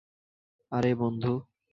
আরে, বন্ধু।